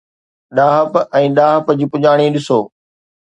ڏاهپ ۽ ڏاهپ جي پڄاڻي ڏسو.